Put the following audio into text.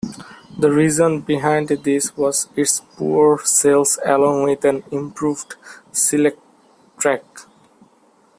The reason behind this was its poor sales along with an improved Selec-Trac.